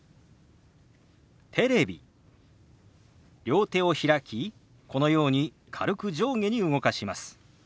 両手を開きこのように軽く上下に動かします。